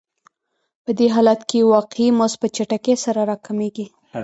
په دې حالت کې واقعي مزد په چټکۍ سره راکمېږي